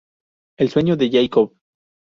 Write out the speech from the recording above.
El Sueño de Jacob